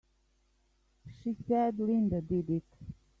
She said Linda did it!